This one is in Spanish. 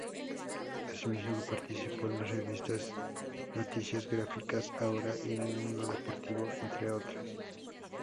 Asimismo participó en las revistas "Noticias Gráficas", "Ahora" y "Mundo Deportivo", entre otras.